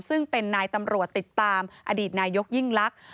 ซึ่งเป็นนายตำรวจติดตามอดีตนายกยิ่งลักษณ